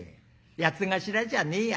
八頭じゃねえや」。